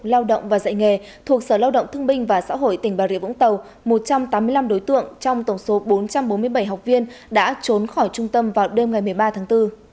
lao động và dạy nghề thuộc sở lao động thương binh và xã hội tỉnh bà rịa vũng tàu một trăm tám mươi năm đối tượng trong tổng số bốn trăm bốn mươi bảy học viên đã trốn khỏi trung tâm vào đêm ngày một mươi ba tháng bốn